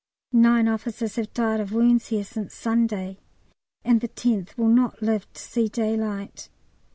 Nine officers have "died of wounds" here since Sunday, and the tenth will not live to see daylight.